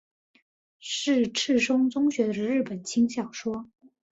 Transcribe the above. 是赤松中学的日本轻小说。